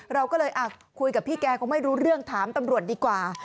เราก็เลยคุยกับพี่แกก็ไม่รู้เรื่องถามตำรวจดีกว่า